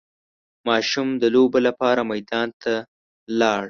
ماشوم د لوبو لپاره میدان ته لاړ.